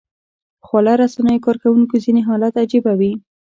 خواله رسنیو کاروونکو ځینې حالات عجيبه وي